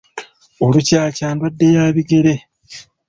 Olukyakya ndwadde ya bigere.